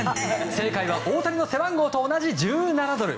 正解は大谷の背番号と同じ１７ドル。